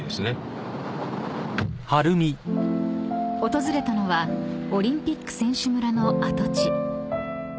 ［訪れたのはオリンピック選手村の跡地］